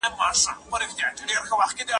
ستا د حسن په بګرام کې شهنشاه وم